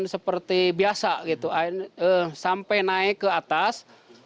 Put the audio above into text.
seperti biasa gitu sampai naik ke atas